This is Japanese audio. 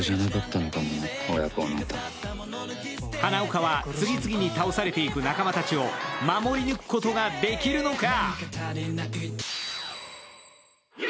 花岡は次々に倒されていく仲間たちを守り抜くことができるのか？